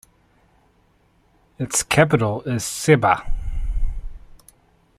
Its capital is Sebba.